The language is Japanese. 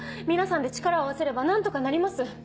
皆さんで力を合わせれば何とかなります。